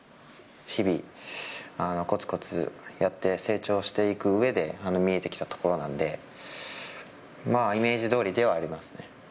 日々、こつこつやって、成長していくうえで、見えてきたところなんで、まあ、イメージどおりではありますね。